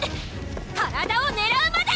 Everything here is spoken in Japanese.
体をねらうまで！